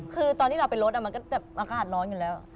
คือตอนที่เราไปลดมันก็แบบอากาศร้อนอยู่แล้ว